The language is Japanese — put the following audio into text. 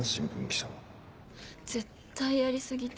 新絶対やり過ぎた。